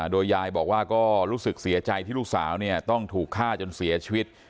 โดยยายบอกว่าก็รู้สึกเสียใจที่ลูกสาวต้องถูกฆ่าจนเสียชีวิต